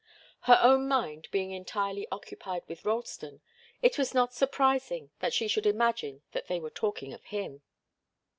Her own mind being entirely occupied with Ralston, it was not surprising that she should imagine that they were talking of him.